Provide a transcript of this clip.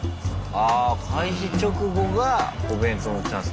あ開始直後がお弁当のチャンス。